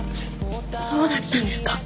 そうだったんですか。